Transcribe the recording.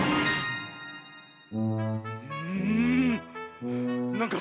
うん！